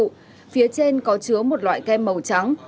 phía trên có chứa một loại kem màu trắng